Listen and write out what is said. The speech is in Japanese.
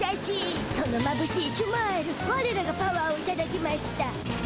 そのまぶしいシュマイルわれらがパワーをいただきました。